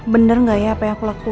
bener nggak ya apa yang aku lakuin